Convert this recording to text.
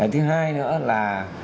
thứ hai nữa là